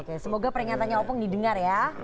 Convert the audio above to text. oke semoga peringatannya opung didengar ya